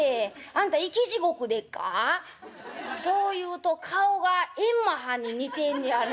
そういうと顔が閻魔はんに似てんねやな